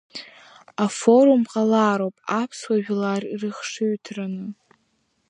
Афорум ҟалароуп аԥсуа жәлар ирыхшыҩҭраны.